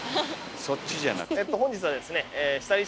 そっちじゃなくて。